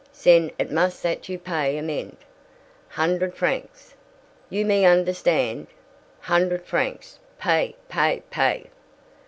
Zen it must zat you pay amende, hundred francs. You me understand? Hundred francs pay! pay! pay!"